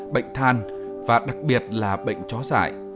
bệnh than và đặc biệt là bệnh chó giải